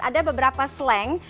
ada beberapa slang